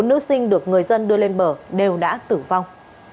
bốn nữ sinh được người dân đưa lên bờ đều đã tử vong